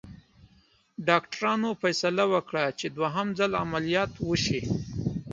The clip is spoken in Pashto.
ډاکټرانو فیصله وکړه چې دوهم ځل عملیات وشي.